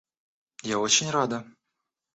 Я очень рада!